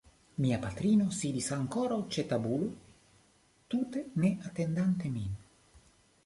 Mia patrino sidis ankoraŭ ĉe tablo tute ne atendante min.